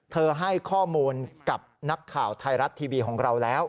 ให้ข้อมูลกับนักข่าวไทยรัฐทีวีของเราแล้ว